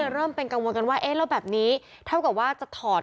เริ่มเป็นกังวลกันว่าเอ๊ะแล้วแบบนี้เท่ากับว่าจะถอด